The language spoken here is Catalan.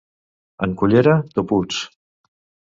En Cullera, toputs.